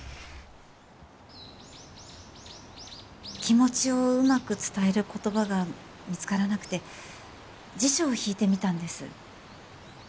気持ちをうまく伝える言葉が見つからなくて辞書を引いてみたんです